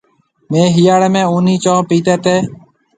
ميه هِاڙي ۾ اونَي چونه پيتي تي۔